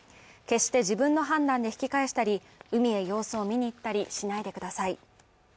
決して自分の判断で引き返したり、海へ様子を見に行ったりしないでください。